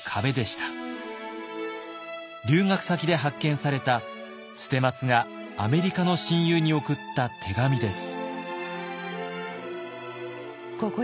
留学先で発見された捨松がアメリカの親友に送った手紙です。